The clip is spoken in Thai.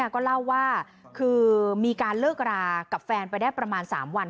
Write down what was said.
ก็เล่าว่าคือมีการเลิกรากับแฟนไปได้ประมาณ๓วัน